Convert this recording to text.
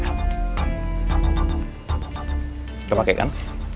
coba pakai kan